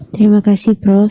terima kasih prof